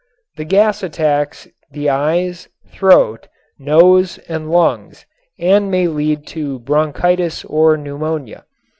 The gas attacks the eyes, throat, nose and lungs and may lead to bronchitis or pneumonia.